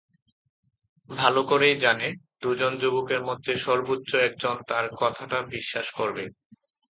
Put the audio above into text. ভালো করেই জানে, দুজন যুবকের মধ্যে সর্বোচ্চ একজন তার কথাটা বিশ্বাস করবে।